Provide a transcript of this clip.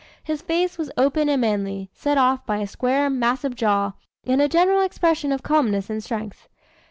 His face was open and manly, set off by a square, massive jaw, and a general expression of calmness and strength.